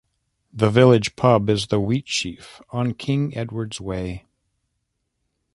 The village pub is the Wheatsheaf on King Edward's Way.